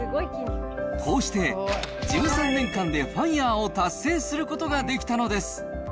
こうして、１３年間でファイアーを達成することができたのです。